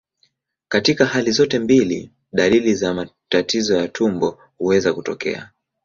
Katika hali zote mbili, dalili za matatizo ya utumbo huweza kutokea.